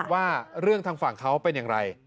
ว่าเรื่องทางฝั่งเขาเป็นอย่างไร